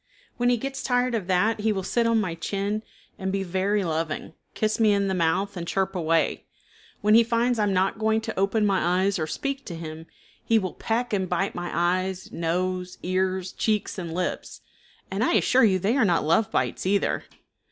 When he gets tired of that he will sit on my chin and be very loving, kiss me in the mouth, and chirp away. When he finds I am not going to open my eyes or speak to him he will peck and bite my eyes, nose, ears, cheeks, and lips, and I assure you they are not love bites either.